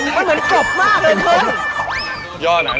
มันเหมือนกบมากเลยเมื่อง